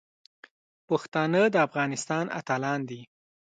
پښتانه د افغانستان اتلان دي.